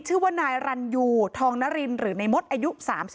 ชื่อว่านายรันยูทองนรินหรือในมดอายุ๓๒